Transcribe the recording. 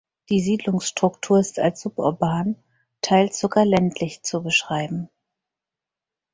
Die Siedlungsstruktur ist als suburban, teils sogar ländlich, zu beschreiben.